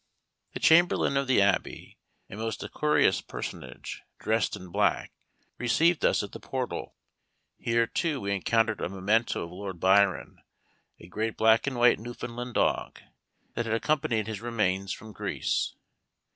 The chamberlain of the Abbey, a most decorous personage, dressed in black, received us at the portal. Here, too, we encountered a memento of Lord Byron, a great black and white Newfoundland dog, that had accompanied his remains from Greece.